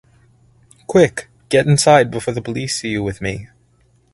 Quick! Get inside before the police see you with me!